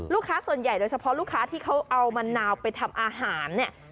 ส่วนใหญ่โดยเฉพาะลูกค้าที่เขาเอามะนาวไปทำอาหารเนี่ย